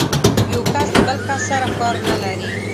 يو کس د بل کس سره کار نه لري.